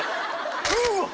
うわっ！